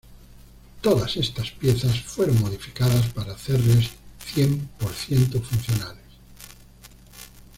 Todas estas piezas fueron modificadas para hacerles cien por ciento funcionales.